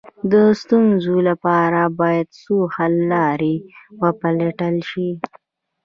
د ستونزو لپاره باید څو حل لارې وپلټل شي.